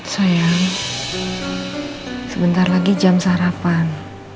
sayang sebentar lagi jam sarapan